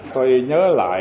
tôi nhớ lại